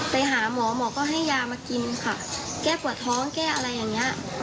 ไปหาหมอหมอก็ให้ยามากินค่ะแก้ปวดท้องแก้อะไรอย่างนี้